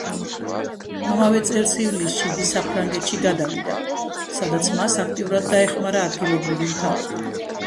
ამავე წლის ივლისში იგი საფრანგეთში გადავიდა, სადაც მას აქტიურად დაეხმარა ადგილობრივი მთავრობა.